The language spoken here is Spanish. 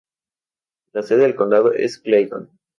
La sede de condado es Clayton.